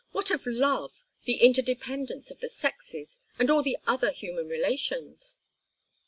What of love, the interdependence of the sexes, and all the other human relations?"